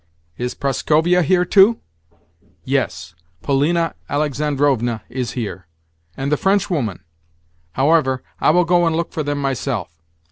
Is Prascovia here too?" "Yes. Polina Alexandrovna is here." "And the Frenchwoman? However, I will go and look for them myself.